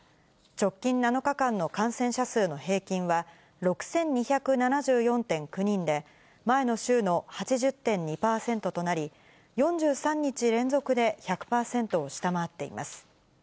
直近７日間の感染者数の平均は、６２７４．９人で、前の週の８０．２％となり、４３日連続で１００％を下回っています。